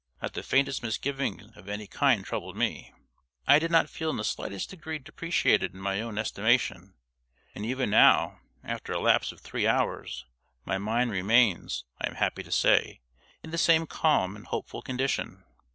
Not the faintest misgiving of any kind troubled me. I did not feel in the slightest degree depreciated in my own estimation. And even now, after a lapse of three hours, my mind remains, I am happy to say, in the same calm and hopeful condition.